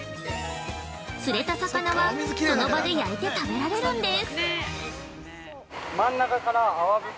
釣れた魚は、その場で焼いて食べられるんです。